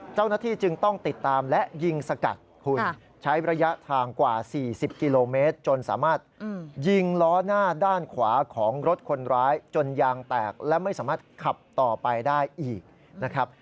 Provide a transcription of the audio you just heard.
เจ้าหน้าที่จึงต้องติดตามและยิงสกัดคุณใช้ระยะทางกว่า๔๐กิโลเมตรจนสามารถยิงล้อหน้าด้านขวาของรถคนร้ายจนยางแตกและไม่สามารถขับต่อไปได้อีกนะครับ